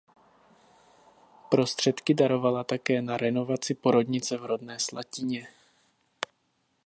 Prostředky darovala také na renovaci porodnice v rodné Slatině.